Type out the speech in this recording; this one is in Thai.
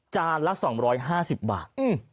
จานละ๒๕๐บาท